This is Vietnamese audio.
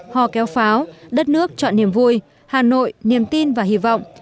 hò kéo pháo đất nước chọn niềm vui hà nội niềm tin và hy vọng